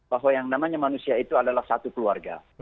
bahwa yang namanya manusia itu adalah satu keluarga